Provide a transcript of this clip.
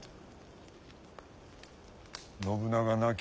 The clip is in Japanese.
信長亡き